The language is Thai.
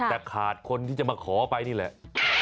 แต่ขาดคนที่จะมาขอไปนี่แหละ